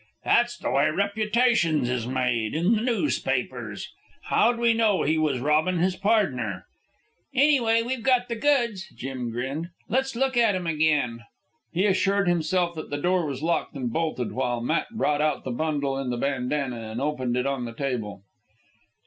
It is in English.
"That's the way reputations is made... in the noospapers. How'd we know he was robbin' his pardner?" "Anyway, we've got the goods," Jim grinned. "Let's look at 'em again." He assured himself that the door was locked and bolted, while Matt brought out the bundle in the bandanna and opened it on the table.